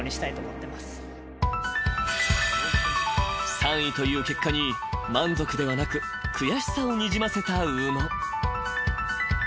［３位という結果に満足ではなく悔しさをにじませた宇野］